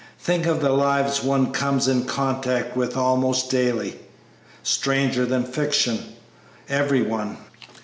Think of the lives one comes in contact with almost daily stranger than fiction, every one!"